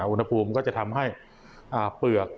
อุณหภูมิก็จะทำให้เปลือก